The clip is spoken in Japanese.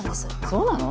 そうなの？